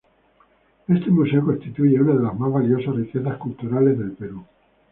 Este museo constituye una de las más valiosas riquezas culturales del Perú.